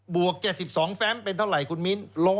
วก๗๒แฟมเป็นเท่าไหร่คุณมิ้น